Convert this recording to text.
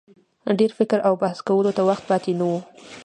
ډېر فکر او بحث کولو ته وخت پاته نه وو.